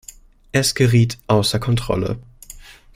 Es geriet außer Kontrolle.